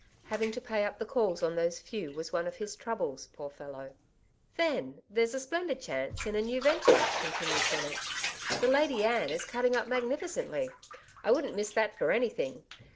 Having to pay up the calls on those few was one of his tax)nbles, poor fellow. " Then^ there's a splendid chance in a new ven ture," continued Bennett " The ' Lady Anne ' is catting up magnificently ! I wouldn't miss that for anything.